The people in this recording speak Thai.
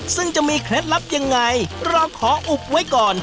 ซึ่งจะมีเคล็ดลับยังไงเราขออุบไว้ก่อน